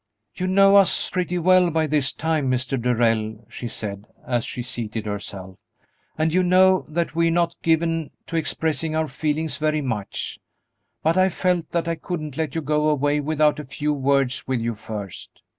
"You know us pretty well by this time, Mr. Darrell," she said, as she seated herself, "and you know that we're not given to expressing our feelings very much, but I felt that I couldn't let you go away without a few words with you first.